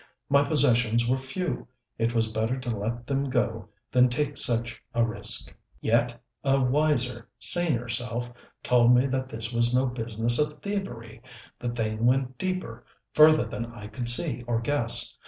My possessions were few: it was better to let them go than take such a risk. Yet a wiser, saner self told me that this was no business of thievery. The thing went deeper, further than I could see or guess.